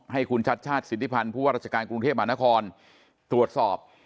ให้คุณชัดชาติสิทธิพันธ์ผู้ว่าราชการกรุงเทพมหานครตรวจสอบ